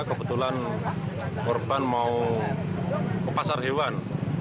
kebetulan korban mau ke pasar hewan